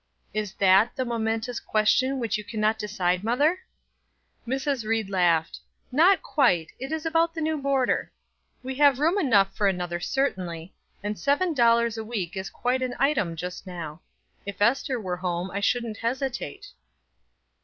"Is that the momentous question which you can't decide, mother?" Mrs. Ried laughed. "Not quite; it is about the new boarder. We have room enough for another certainly, and seven dollars a week is quite an item just now. If Ester were at home, I shouldn't hesitate."